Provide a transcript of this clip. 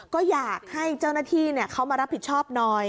ก็อยากให้เจ้าหน้าที่เขามารับผิดชอบหน่อย